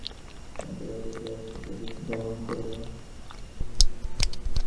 আত্মীয়বর্গের ভরণপোষণের উপায়ান্তর না দেখিয়া সে অবশেষে দস্যুবৃত্তি অবলম্বন করিল।